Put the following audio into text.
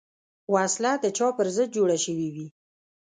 وسله د چا پر ضد جوړه شوې وي